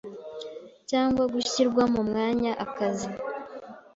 cyangwa gushyirwa mu mwanya akazi